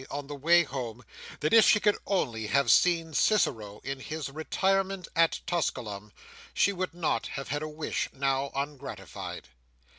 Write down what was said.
on the way home, that if she could only have seen Cicero in his retirement at Tusculum, she would not have had a wish, now, ungratified.